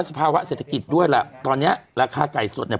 สภาวะเศรษฐกิจด้วยแหละตอนเนี้ยราคาไก่สดเนี่ย